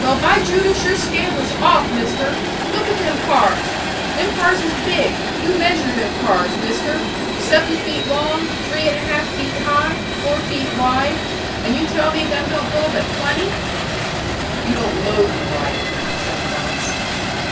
"Well, by Judas, your scale is off, Mister! Look at them cars them cars is big! You measure them cars, Mister seven feet long, three and a half feet high, four feet wide. And you tell me them don't go but twenty?" "You don't load them right," said the boss.